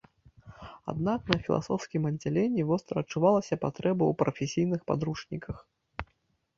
Аднак на філасофскім аддзяленні востра адчувалася патрэба ў прафесійных падручніках.